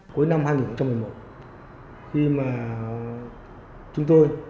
cuối năm hai nghìn một mươi một khi mà chúng tôi